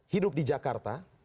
hidup di jakarta